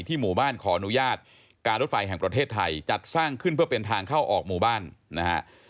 หมู่บ้านขออนุญาตการรถไฟแห่งประเทศไทยจัดสร้างขึ้นเพื่อเป็นทางเข้าออกหมู่บ้านนะฮะ